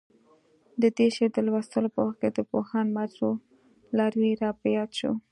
د دې شعر د لوستو په وخت د پوهاند مجروح لاروی راپه یاد شو.